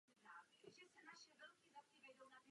Proto s tímto liberalizačním opatřením naprosto souhlasím.